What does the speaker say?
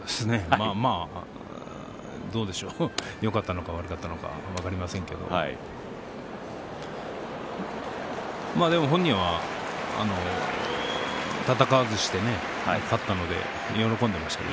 まあまあ、どうでしょうよかったのか悪かったのか分かりませんけどでも本人は戦わずして勝ったので喜んでいましたよ。